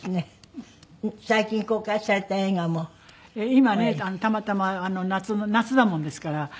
今ねたまたま夏だもんですから